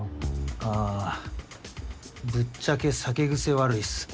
あぁぶっちゃけ酒癖悪いっす。